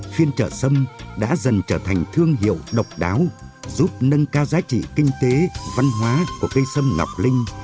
phiên chợ sâm đã dần trở thành thương hiệu độc đáo giúp nâng cao giá trị kinh tế văn hóa của cây sâm ngọc linh